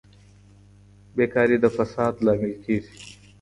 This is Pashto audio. بېکاري د فساد لامل کیږي.